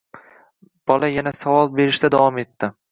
Bola yana savol berishda davom etdi